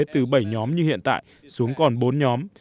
từ bảy nhóm như hiện tại xuống còn bốn nhóm